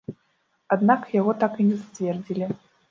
Аднак, яго так і не зацвердзілі.